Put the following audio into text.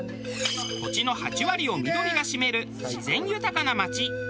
土地の８割を緑が占める自然豊かな町。